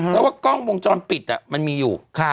แล้วก็กล้องวงจรปิดมันมีอยู่